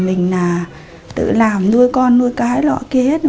mình là tự làm nuôi con nuôi cái lọ kia hết